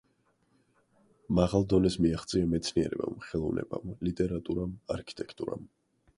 მაღალ დონეს მიაღწია მეცნიერებამ, ხელოვნებამ, ლიტერატურამ, არქიტექტურამ.